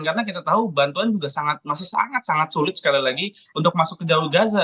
karena kita tahu bantuan juga masih sangat sangat sulit sekali lagi untuk masuk ke jalur gaza